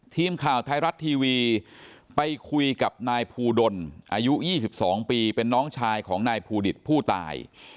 ทีมข่าวไทยรัฐทีวีไปคุยกับนายภูดลอายุ๒๒ปีเป็นน้องชายของนายภูดิตผู้ตาย